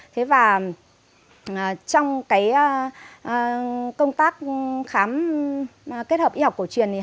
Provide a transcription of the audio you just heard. trong công tác kết hợp y học cổ truyền hàng tháng